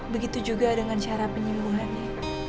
begitu juga dengan cara penyembuhannya